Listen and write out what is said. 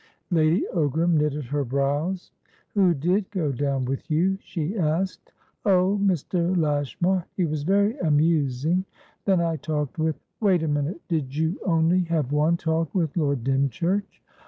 Lady Ogram knitted her brows. "Who did go down with you?" she asked. "Oh, Mr. Lashmar. He was very amusing. Then I talked with" "Wait a minute. Did you only have one talk with Lord Dymchurch?"